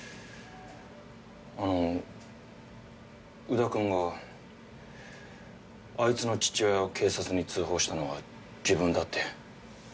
あの宇田くんがあいつの父親を警察に通報したのは自分だって。